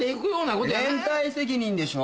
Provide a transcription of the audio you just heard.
連帯責任でしょ。